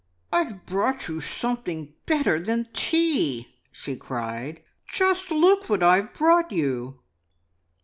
"I've brought you something better than tea!" she cried. "Just look what I have brought you!"